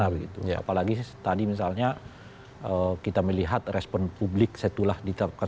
apalagi tadi misalnya kita melihat respon publik setulah dua desember